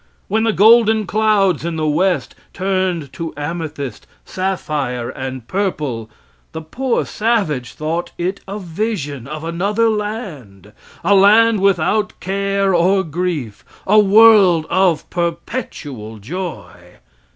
When the golden clouds in the west turned to amethyst, sapphire, and purple, the poor savage thought it a vision of another land a land without care or grief a world of perpetual joy.